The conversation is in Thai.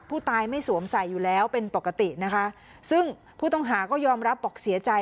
ผู้ตายไม่สวมใส่อยู่แล้วเป็นปกตินะคะซึ่งผู้ต้องหาก็ยอมรับบอกเสียใจ